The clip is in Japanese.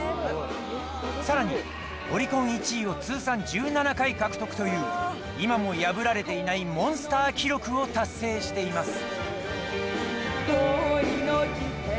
さらにオリコン１位を通算１７回獲得という今も破られていないモンスター記録を達成しています